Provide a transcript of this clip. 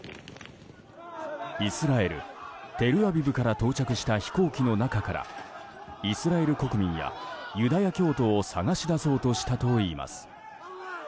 イスラエル・テルアビブから到着した飛行機の中からイスラエル国民やユダヤ教徒を探し出そうとしたといいます。